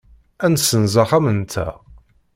Ad nessenz axxam-nteɣ.